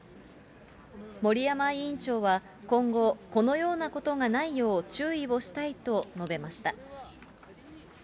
森山委員長は今後、このようなことがないよう注意をしたいと述べました。